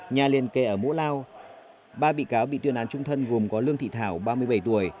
nhà liên kệ ở mỗ lao ba bị cáo bị tuyên án trung thân gồm có lương thị thảo ba mươi bảy tuổi